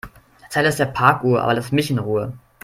Erzähl es der Parkuhr, aber lass mich in Ruhe.